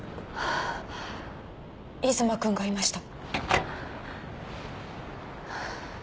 出馬君がいました。